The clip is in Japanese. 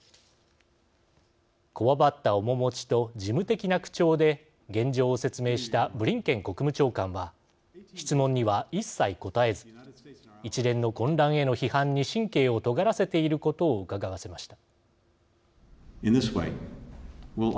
こわばった面持ちと事務的な口調で現状を説明したブリンケン国務長官は質問には一切答えず一連の混乱への批判に神経をとがらせていることをうかがわせました。